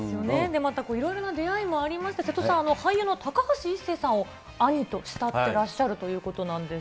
また、いろいろな出会いもありまして、瀬戸さん、俳優の高橋一生さんを兄と慕ってらっしゃるということなんです。